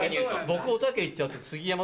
僕おたけいっちゃうと。